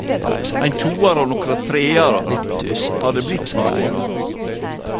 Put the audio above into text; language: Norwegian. Ein toar og nokre trearar har det blitt med åra.